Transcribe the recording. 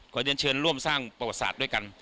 เรียนเชิญร่วมสร้างประวัติศาสตร์ด้วยกัน